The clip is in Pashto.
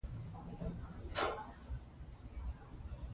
ساینسپوهانو کان په اجزاوو وویشو.